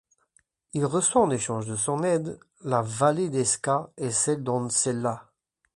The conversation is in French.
Il reçoit, en échange de son aide, la vallée d'Escá et celle d'Onsella.